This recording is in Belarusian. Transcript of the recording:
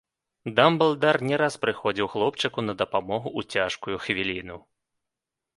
Дамблдар не раз прыходзіў хлопчыку на дапамогу ў цяжкую хвіліну.